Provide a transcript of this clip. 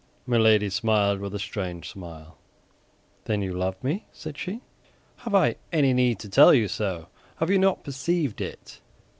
Milady smiled with a strange smile. "Then you love me?" said she. "Have I any need to tell you so? Have you not perceived it?"